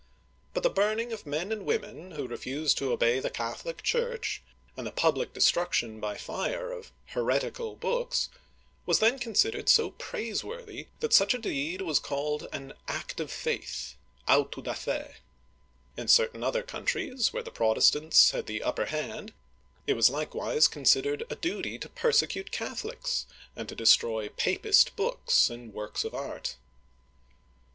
But the burning of men and women who refused to obey the Catholic Church, and the public destruction by fire of " heretical " books, was then considered so praiseworthy that such a deed was called an " act of faith " (auto da f^). In certain other countries, where the Protestants had the upper hand, it was likewise considered a duty to persecute Catholics, and to destroy " papist " books and works of art.